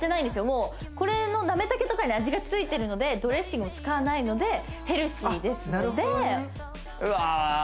もうこれのなめ茸とかに味がついてるのでドレッシングを使わないのでヘルシーですのでうわ